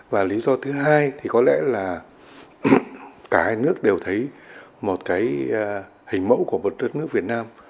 và lý do thứ hai thì có lẽ là cả hai nước đều thấy một cái hình mẫu của một đất nước việt nam